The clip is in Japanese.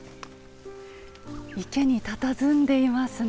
池にたたずんでいますね。